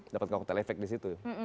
dapat kok telepek disitu